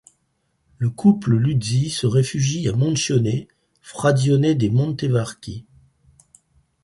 Le couple Luzi se réfugie à Moncioni, frazione de Montevarchi.